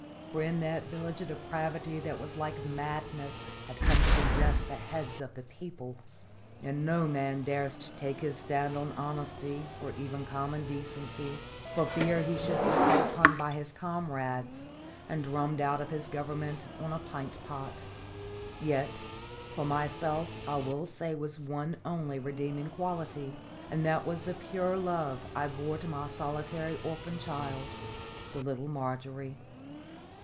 For in that village a depravity that was like madness had come to possess the heads of the people, and no man durst take his stand on honesty or even common decency, for fear he should be set upon by his comrades and drummed out of his government on a pint pot. Yet for myself I will say was one only redeeming quality, and that was the pure love I bore to my solitary orphaned child, the little Margery.